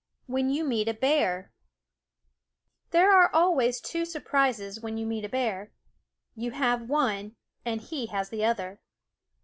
WIT 141 HERE are always two surprises when you meet a bear. You have one, and he has the other.